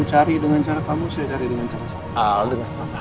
cari dengan cara kamu saya cari dengan cara saya